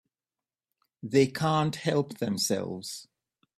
They can't help themselves.